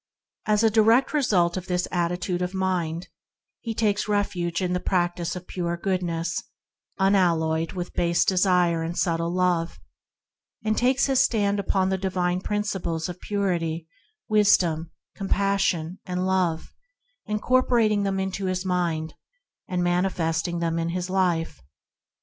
As a direct result of this attitude of mind, he takes refuge in the practice of pure Goodness, unalloyed with base desire and subtle self love, and takes his stand upon the divine Principles of Purity, Wisdom, Compassion, and Love, 60 ENTERING THE KINGDOM incorporating them into his mind, and manifesting them in his life.